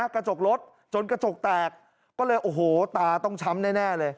กระจกรถจนกระจกแตกก็เลยโอ้โหตาต้องช้ำแน่เลย